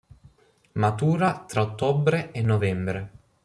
Matura tra ottobre e novembre.